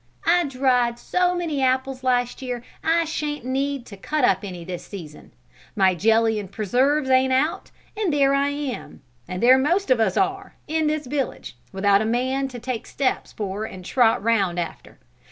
I dried so many apples last year I shan't need to cut up any this season. My jelly and preserves ain't out, and there I am; and there most of us are, in this village, without a man to take steps for and trot 'round after!